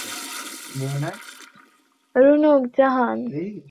মাশরাফি নাকি umpire Ian গোল্ডকে অনুরোধ করেছিলেন থার্ড আম্পায়ারের পরামর্শ নিতে।